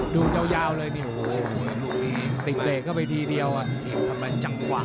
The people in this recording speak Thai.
ดูยาวเลยโอ้โหติดเตรกเข้าไปทีเดียว